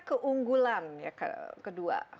keunggulan ya kedua